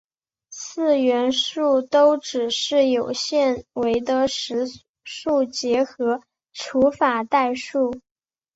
四元数都只是有限维的实数结合除法代数。